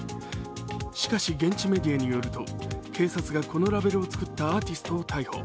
しかし、現地メディアによると警察がこのラベルを作ったアーティストを逮捕。